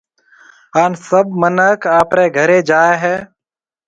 ھان سڀ منک آپرَي گھرَي جائيَ ھيََََ